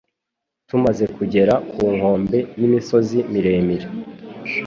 Tumaze kugera ku nkombe y'imisozi miremire